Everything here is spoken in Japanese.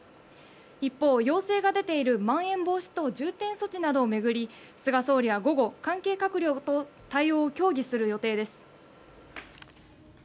一方、要請が出ているまん延防止等重点措置などを巡り菅総理は午後、関係閣僚と対応を協議する予定です。